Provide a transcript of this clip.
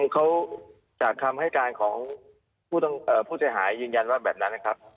เขาจากคำให้การของผู้เสียหายยืนยันว่าแบบนั้นนะครับ